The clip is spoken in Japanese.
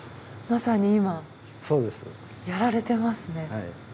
まさに今やられてますね。